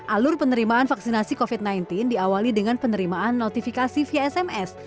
alur penerimaan vaksinasi covid sembilan belas diawali dengan penerimaan notifikasi via sms